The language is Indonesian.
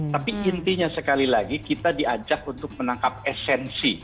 tapi intinya sekali lagi kita diajak untuk menangkap esensi